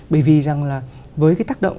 bởi vì rằng là với cái tác động